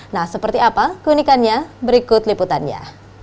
nah seperti apa keunikannya berikut liputannya